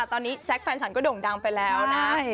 ตอนนี้แจ๊คแฟนฉันก็โด่งดังไปแล้วนะ